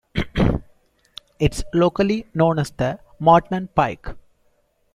It is locally known as the Marlton Pike.